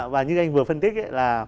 và như anh vừa phân tích ấy